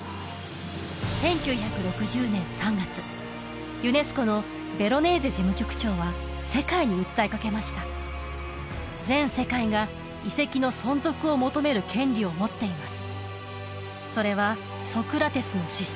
１９６０年３月ユネスコのヴェロネーゼ事務局長は世界に訴えかけました全世界が遺跡の存続を求める権利を持っています